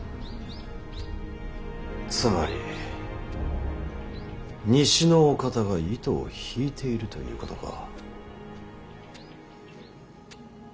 つまり西のお方が糸を引いているということか。